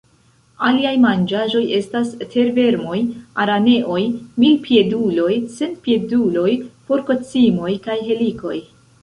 Aliaj manĝaĵoj estas tervermoj, araneoj, milpieduloj, centpieduloj, porkocimoj kaj helikoj.